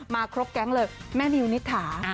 ครบแก๊งเลยแม่นิวนิษฐา